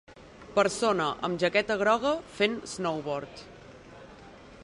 Persona amb jaqueta groga fent snowboard